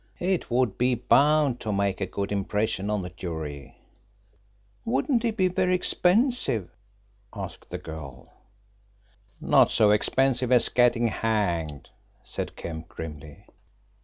It would be bound to make a good impression on the jury." "Wouldn't he be very expensive?" asked the girl. "Not so expensive as getting hanged," said Kemp grimly.